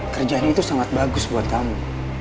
kerjaannya itu sangat bagus buat kamu